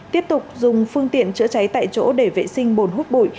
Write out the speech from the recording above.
tiếp tục dùng phương tiện chữa cháy tại chỗ để vệ sinh bồn hút bụi